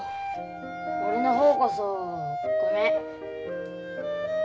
俺の方こそごめん。